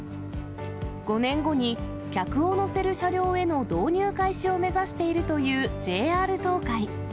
５年後に客を乗せる車両への導入開始を目指しているというＪＲ東海。